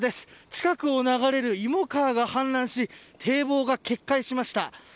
近くを流れる芋川が氾濫し堤防が決壊しました。